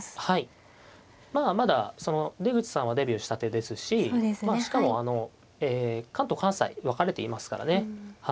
はいまあまだ出口さんはデビューしたてですししかもえ関東関西分かれていますからね